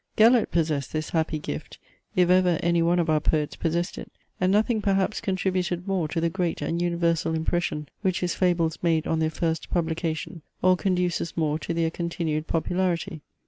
Gellert possessed this happy gift, if ever any one of our poets possessed it; and nothing perhaps contributed more to the great and universal impression which his fables made on their first publication, or conduces more to their continued popularity.